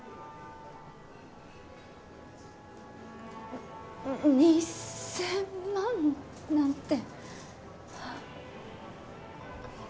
んっんっ２，０００万なんて。